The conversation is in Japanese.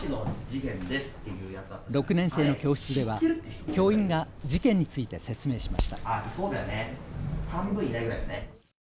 ６年生の教室では教員が事件について説明しました。